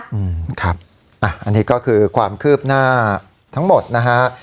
อืมครับอันนี้ก็คือความคืบหน้าทั้งหมดนะฮะ